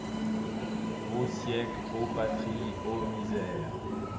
O siècle ! ô patrie ! ô misère !